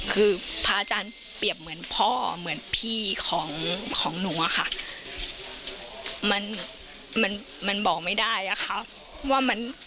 คือพระอาจารย์เปรียบเหมือนพ่อเหมือนพี่ของหนูอะค่ะ